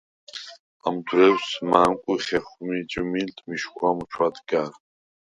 ამ დრუ̂ეუ̂ს მა̈ნკუ̂ი̄ ხეხუ̂მი ჯჷმილდ მიშგუ̂ა მუ ჩუ̂ადგა̈რ.